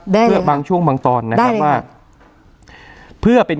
ได้ได้นะครับบางช่วงบนตอนนะครับว่าได้เลยครับ